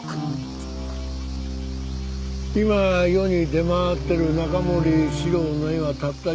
今世に出回ってる中森司郎の絵はたった十数点。